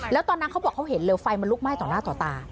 แล้วตอนนั้นเขาบอกเขาเห็นเลยไฟมันลุกไหม้ต่อหน้าต่อตา